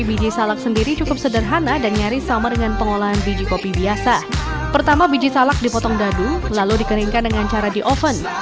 bagi penikmat kopi biji salak juga bisa dipotong dadu lalu dikeringkan dengan cara di oven